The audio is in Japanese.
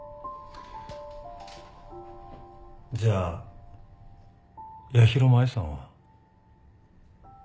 じゃあ八尋舞さんは？